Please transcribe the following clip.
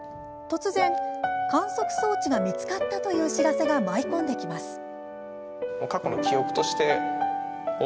突然、観測装置が見つかったという知らせが舞い込んできます。